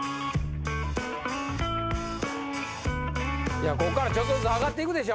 いやこっからちょっとずつ上がっていくでしょ。